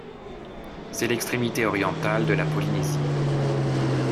C'est l'extrémité orientale de la Polynésie.